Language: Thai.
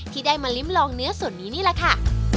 ที่ได้มาลิ้มลองเนื้อส่วนนี้นี่แหละค่ะ